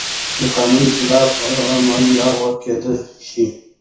د قانون خلاف عمل لغوه کېدای شي.